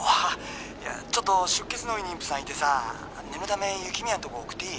「ちょっと出血の多い妊婦さんいてさ念のため雪宮んとこ送っていい？」